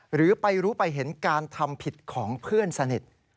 หรือไปรู้ไปเห็นการทำผิดของเพื่อนสนิท